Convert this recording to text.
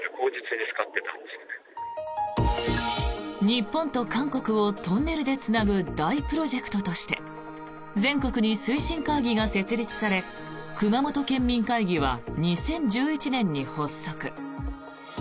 日本と韓国をトンネルでつなぐ大プロジェクトとして全国に推進会議が設立され熊本県民会議は２０１１年に発足。